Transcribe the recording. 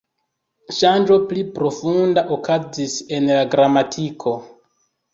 Ŝanĝo pli profunda okazis en la gramatiko.